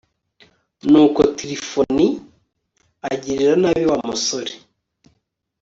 nuko tirifoni agirira nabi wa musore